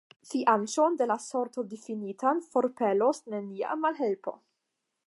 Fianĉon de la sorto difinitan forpelos nenia malhelpo.